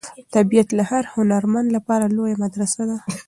طبیعت د هر هنرمند لپاره لویه مدرسه ده.